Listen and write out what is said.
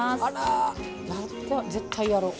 あら。絶対やろう。